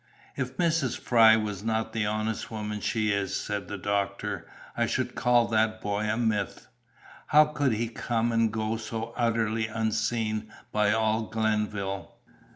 "If Mrs. Fry was not the honest woman she is," said the doctor, "I should call that boy a myth. How could he come and go so utterly unseen by all Glenville."